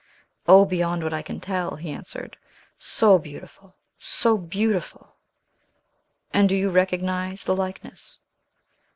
"O, beyond what I can tell!" he answered. "So beautiful! so beautiful!" "And do you recognize the likeness?"